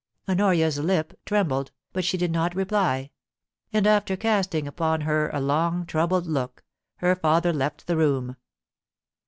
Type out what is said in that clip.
* Honoria's lip trembled, but she did not reply ; and after casting upon her a long troubled look, her father left the room.